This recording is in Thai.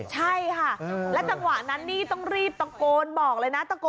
ใช่ค่ะและจังหวะนั้นนี่ต้องรีบตะโกนบอกเลยนะตะโกน